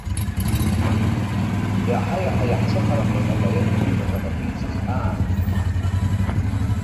Иаҳа-иаҳа иаҳцәыхарахоит апоет иҩымҭақәа анаԥиҵоз аамҭа.